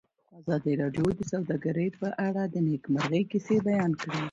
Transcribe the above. ازادي راډیو د سوداګري په اړه د نېکمرغۍ کیسې بیان کړې.